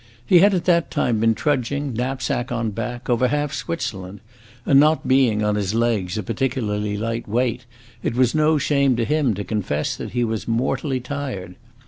He had at that time been trudging, knapsack on back, over half Switzerland, and not being, on his legs, a particularly light weight, it was no shame to him to confess that he was mortally tired.